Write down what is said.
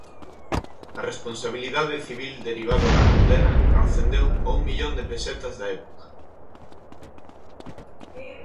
A responsabilidade civil derivada da condena ascendeu a un millón de pesetas da época.